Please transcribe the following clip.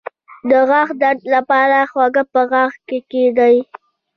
د غاښ درد لپاره هوږه په غاښ کیږدئ